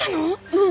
うん。